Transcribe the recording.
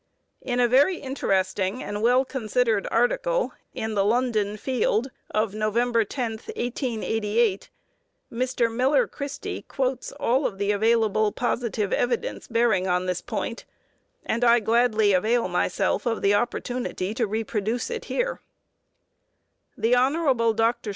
In a very interesting and well considered article in the London Field of November 10, 1888, Mr. Miller Christy quotes all the available positive evidence bearing on this point, and I gladly avail myself of the opportunity to reproduce it here: "The Hon. Dr.